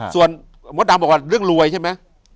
ส่วนมดดำบอกว่าเรื่องรวยใช่ไหม